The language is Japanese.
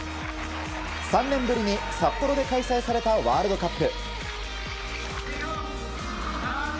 ３年ぶりに札幌で開催されたワールドカップ。